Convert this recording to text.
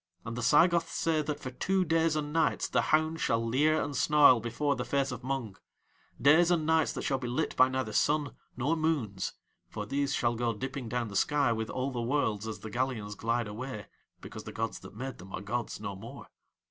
And the Saigoths say that for two days and nights the hound shall leer and snarl before the face of Mung days and nights that shall be lit by neither sun nor moons, for these shall go dipping down the sky with all the Worlds as the galleons glide away, because the gods that made them are gods no more.